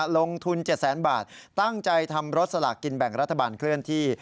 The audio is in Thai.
ลงทุน๗แสนบาทตั้งใจทำรถสลากกินแบ่งรัฐบาลเคลื่อนที่